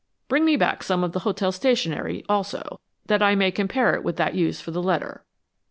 Bring me back some of the hotel stationery, also, that I may compare it with that used for the letter."